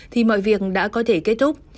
thì mọi việc đã có thể kết thúc